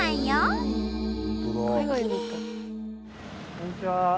こんにちは。